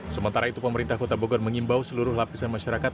sementara itu pemerintah kota bogor mengimbau seluruh lapisan masyarakat